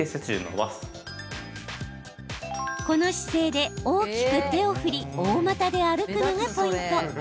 この姿勢で、大きく手を振り大股で歩くのがポイント。